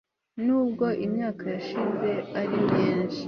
Nubwo imyaka yashize ari myinshi